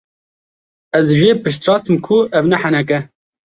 Ez jê piştrast im ku ev ne henek e.